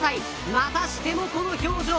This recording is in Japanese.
またしてもこの表情。